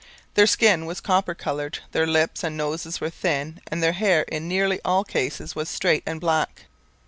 Their skin was copper coloured, their lips and noses were thin, and their hair in nearly all cases was straight and black.